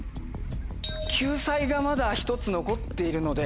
救済がまだ１つ残っているので。